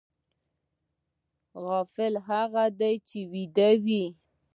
غافل هغه دی چې ویده وي